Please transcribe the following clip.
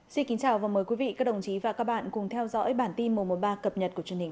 xin kính chào và mời quý vị các đồng chí và các bạn cùng theo dõi bản tin mùa một mươi ba cập nhật của truyền hình